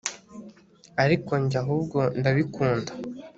ariko njye, ahubwo ndabikunda